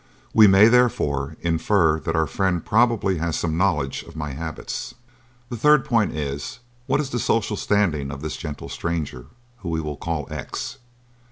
We may, therefore, infer that our friend probably has some knowledge of my habits. "The third point is, What is the social standing of this gentle stranger, whom we will call X?